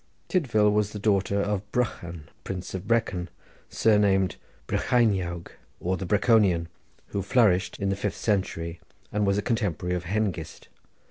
Tydvil was the daughter of Brychan Prince of Brecon, surnamed Brycheiniawg, or the Breconian, who flourished in the fifth century and was a contemporary of Hengist.